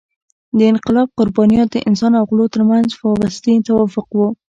د انقلاب قربانیان د انسان او غلو تر منځ فاوستي توافق وو.